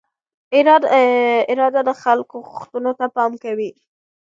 اداره د خلکو غوښتنو ته پام کوي.